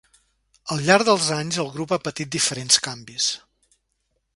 Al llarg dels anys el grup ha patit diferents canvis.